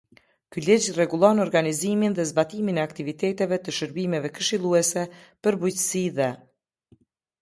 Ky ligj rregullon organizimin dhe zbatimin e aktiviteteve të shërbimeve këshilluese për bujqësi dhe.